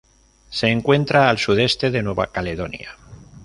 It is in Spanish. Se encuentra al sudeste de Nueva Caledonia.